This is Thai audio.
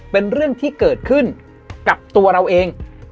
เป็นเรื่องที่เกิดขึ้นกับตัวเราเอง